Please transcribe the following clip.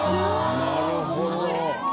なるほど。